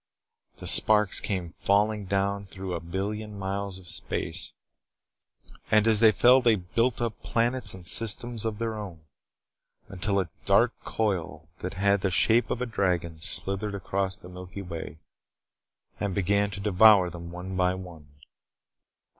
The sparks came falling down through a billion miles of space, and as they fell they built up planets and systems of their own. Until a dark coil that had the shape of a dragon slithered across the milky way and began to devour them one by one.